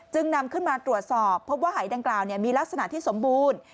นำขึ้นมาตรวจสอบพบว่าหายดังกล่าวมีลักษณะที่สมบูรณ์